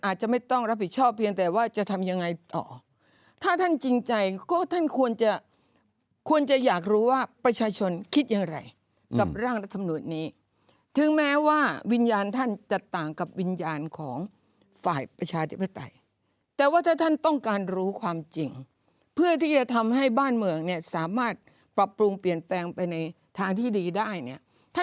อาจจะไม่ต้องรับผิดชอบเพียงแต่ว่าจะทำยังไงต่อถ้าท่านจริงใจก็ท่านควรจะควรจะอยากรู้ว่าประชาชนคิดอย่างไรกับร่างรัฐมนุนนี้ถึงแม้ว่าวิญญาณท่านจะต่างกับวิญญาณของฝ่ายประชาธิปไตยแต่ว่าถ้าท่านต้องการรู้ความจริงเพื่อที่จะทำให้บ้านเมืองเนี่ยสามารถปรับปรุงเปลี่ยนแปลงไปในทางที่ดีได้เนี่ย